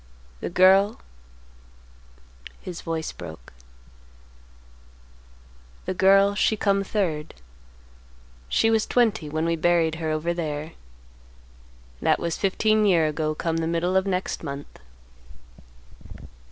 The girl"—his voice broke—"the girl she come third; she was twenty when we buried her over there. That was fifteen year ago come the middle of next month.